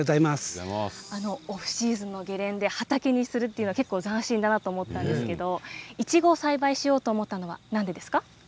オフシーズンのゲレンデ畑にするというのは斬新だなと思ったんですけれどいちごを栽培しようと思ったのはなぜですか？